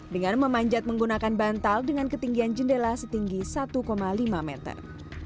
dengan memanjat menggunakan bantal dengan ketinggian jendela setinggi satu lima meter